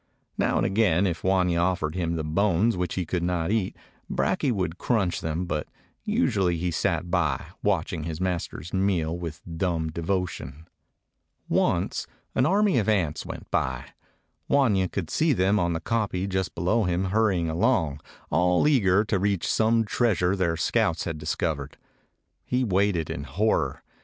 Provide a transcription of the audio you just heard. Now and again if Wanya offered him the bones which he could not eat Brakje would crunch them, but usually he sat by, watching his master's meal with dumb devotion. 178 A KAFIR DOG Once an army of ants went by. Wanya could see them on the kopje just below him hurrying along, all eager to reach some treasure their scouts had discovered. He waited in horror.